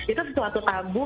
itu suatu tabu